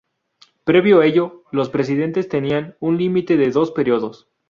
Previo a ello, los presidentes tenían un límite de dos períodos.